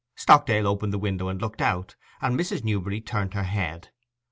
Stockdale opened the window and looked out, and Mrs. Newberry turned her head.